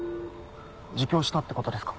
自供したってことですか？